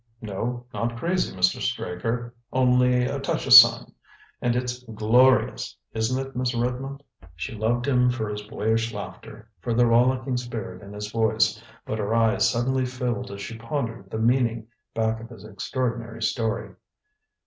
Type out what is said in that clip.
"No, not crazy, Mr. Straker. Only a touch o' sun! And it's glorious, isn't it, Miss Redmond?" She loved him for his boyish laughter, for the rollicking spirit in his voice, but her eyes suddenly filled as she pondered the meaning back of his extraordinary story.